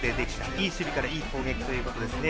いい守備からいい攻撃ということですね。